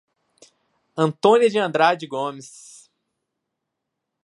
Antônia de Andrade Gomes